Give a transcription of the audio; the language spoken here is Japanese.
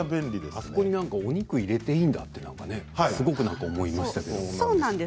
あそこにお肉を入れていいんだと、すごく思いましたけれど。